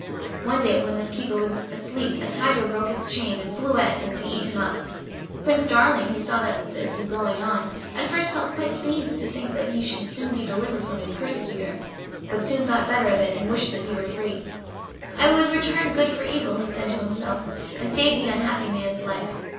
One day when this keeper was asleep a tiger broke its chain, and flew at him to eat him up. Prince Darling, who saw what was going on, at first felt quite pleased to think that he should be delivered from his persecutor, but soon thought better of it and wished that he were free. "I would return good for evil," he said to himself, "and save the unhappy man's life."